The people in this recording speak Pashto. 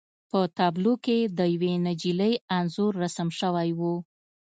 په تابلو کې د یوې نجلۍ انځور رسم شوی و